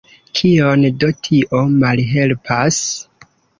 Kion do tio malhelpas?